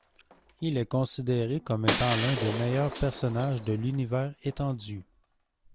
Il est considéré comme étant l'un des meilleurs personnages de l'univers étendu.